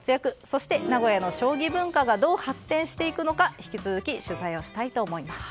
そして名古屋の将棋文化がどう発展していくのか引き続き取材をしたいと思います。